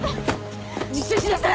自首しなさい！